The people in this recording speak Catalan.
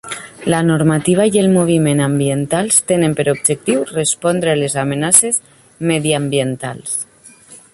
La normativa i el moviment ambientals tenen per objectiu respondre a les amenaces mediambientals.